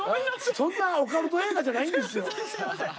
そんなオカルト映画じゃないんですよ。